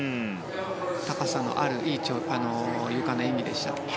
高さのあるいいゆかの演技でした。